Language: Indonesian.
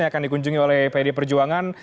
yang akan dikunjungi oleh pt perjuangan